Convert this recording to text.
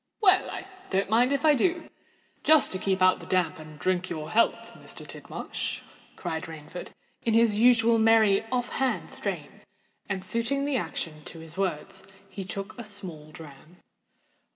"Well—I don't mind if I do—just to keep out the damp, and drink your health, Mr. Tidmarsh," cried Rainford, in his usual merry, off hand strain; and, suiting the action to his words, he took a small dram.